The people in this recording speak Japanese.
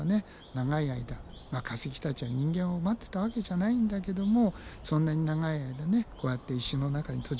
長い間化石たちは人間を待ってたわけじゃないんだけどもそんなに長い間ねこうやって石の中に閉じ込められていたならば